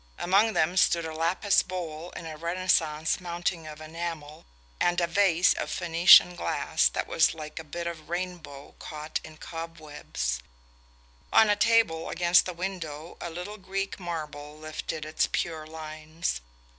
Among them stood a lapis bowl in a Renaissance mounting of enamel and a vase of Phenician glass that was like a bit of rainbow caught in cobwebs. On a table against the window a little Greek marble lifted its pure lines.